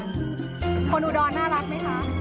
คนอุดรน่ารักไหมคะ